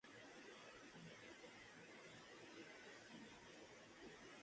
La raza femenina ha visto principalmente alemanes subir al podio.